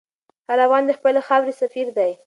هر افغان د خپلې خاورې سفیر دی.